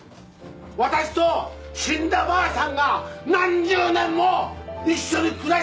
私と死んだばあさんが何十年も一緒に暮らしてきた家だ！